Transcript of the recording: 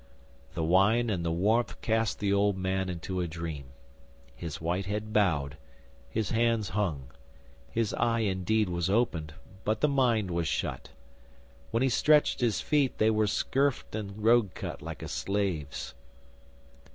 'The wine and the warmth cast the old man into a dream. His white head bowed; his hands hung. His eye indeed was opened, but the mind was shut. When he stretched his feet, they were scurfed and road cut like a slave's.